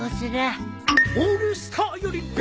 『オールスター』より勉強！？